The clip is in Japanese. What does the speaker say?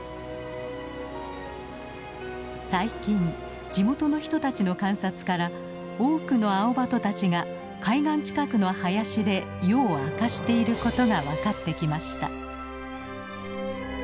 最近地元の人たちの観察から多くのアオバトたちが海岸近くの林で夜を明かしていることが分かってきました。